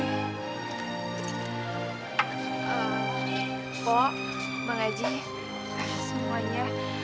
ehm po bang aji semuanya